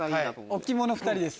置物２人です。